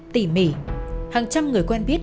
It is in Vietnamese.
tỉ mỉ hàng trăm người quen biết